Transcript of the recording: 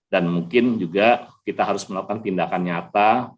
dan mungkin juga kita harus melakukan tindakan nyata